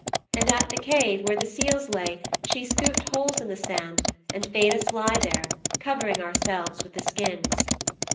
And at the cave where the seals lay she scooped holes in the sand and bade us lie there, covering ourselves with the skins.